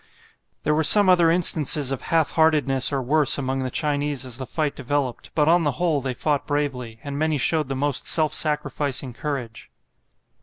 There were some other instances of half heartedness or worse among the Chinese as the fight developed, but on the whole they fought bravely, and many showed the most self sacrificing courage.